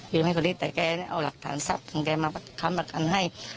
ให้คนนี้แต่แกได้เอาหลักฐานทรัพย์ของแกมาค้ำประกันให้